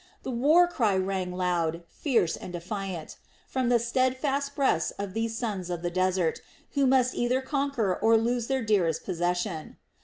The war cry rang loud, fierce, and defiant, from the steadfast breasts of these sons of the desert, who must either conquer or lose their dearest possession.